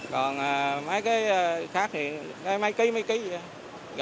còn mấy cái khác thì mấy kg mấy kg